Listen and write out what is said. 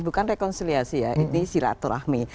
bukan rekonsiliasi ya ini siratur rahmi